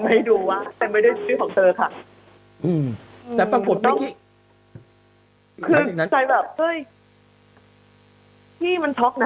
ให้ดูว่าเป็นไปด้วยชีวิตของเธอค่ะ